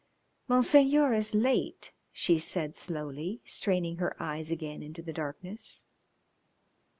"Monseigneur is late," she said slowly, straining her eyes again into the darkness.